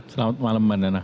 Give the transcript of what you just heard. selamat malam bapak nana